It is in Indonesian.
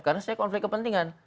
karena saya konflik kepentingan